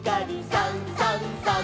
「さんさんさん」